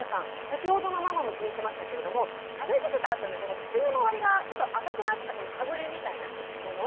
先ほどのママも気にしてましたけれども食べさせたあとに口の周りがちょっと赤くなったこのかぶれみたいなもの。